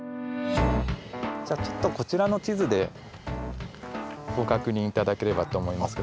じゃあちょっとこちらの地図でご確認頂ければと思いますけど。